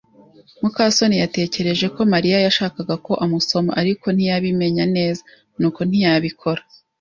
muka soni yatekereje ko Mariya yashakaga ko amusoma, ariko ntiyabimenya neza, nuko ntiyabikora.